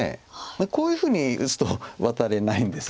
こういうふうに打つとワタれないんです。